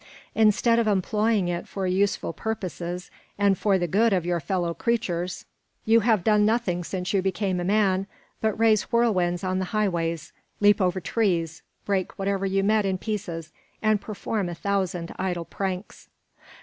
"Instead of employing it for useful purposes, and for the good of your fellow creatures, you have done nothing since you became a man but raise whirlwinds on the highways, leap over trees, break whatever you met in pieces, and perform a thousand idle pranks."